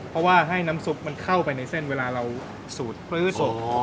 เพราะว่าให้น้ำซุปมันเข้าไปในเส้นเวลาเราสูดพื้น